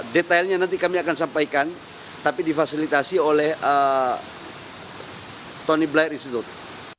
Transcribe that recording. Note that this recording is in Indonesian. detailnya nanti kami akan sampaikan tapi difasilitasi oleh tony bly institute